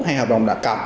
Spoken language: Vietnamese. hay hợp đồng đặt cập